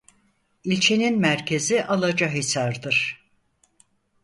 İlçenin merkezi Alacahisar'dır.